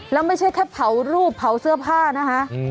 แล้วไม่ใช่แค่เผารูปเผาเสื้อผ้านะคะ